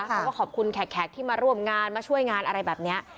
เขาก็ขอบคุณแขกที่มาร่วมงานมาช่วยงานอะไรแบบนี้